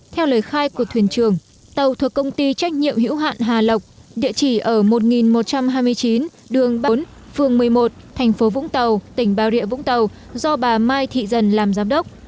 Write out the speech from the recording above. theo lời khai của thuyền trường tàu thuộc công ty trách nhiệm hữu hạn hà lộc địa chỉ ở một nghìn một trăm hai mươi chín đường bốn phường một mươi một thành phố vũng tàu tỉnh bà rịa vũng tàu do bà mai thị dần làm giám đốc